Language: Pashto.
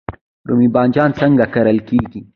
رومی بانجان څنګه کرل کیږي؟